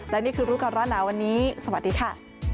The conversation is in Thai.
และนี่คือรู้ก่อนร้อนหนาวันนี้สวัสดีค่ะ